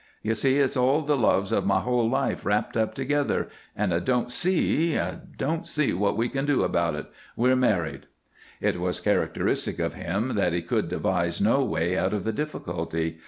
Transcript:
You see, it's all the loves of my whole life wrapped up together, and I don't see, I don't see what we can do about it. We're married!" It was characteristic of him that he could devise no way out of the difficulty.